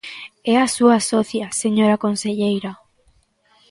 ¡É a súa socia, señora conselleira!